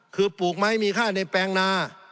คือปลูกไม้มีค่าในแปลงนา